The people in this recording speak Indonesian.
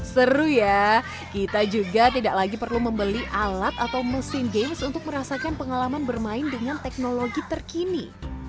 seru ya kita juga tidak lagi perlu membeli alat atau mesin games untuk merasakan pengalaman bermain dengan teknologi terkini